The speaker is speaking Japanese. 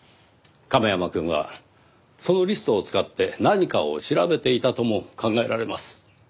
亀山くんはそのリストを使って何かを調べていたとも考えられます。